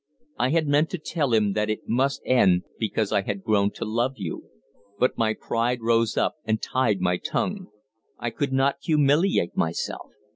I had meant to tell him that it must end because I had grown to love you, but my pride rose up and tied my tongue. I could not humiliate myself.